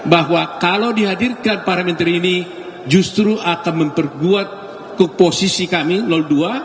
bahwa kalau dihadirkan para menteri ini justru akan memperbuat ke posisi kami lol dua